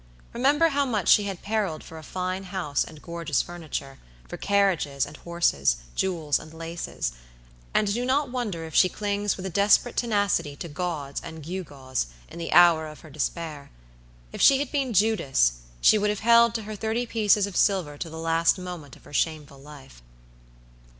Remember how much she had periled for a fine house and gorgeous furniture, for carriages and horses, jewels and laces; and do not wonder if she clings with a desperate tenacity to gauds and gew gaws, in the hour of her despair. If she had been Judas, she would have held to her thirty pieces of silver to the last moment of her shameful life.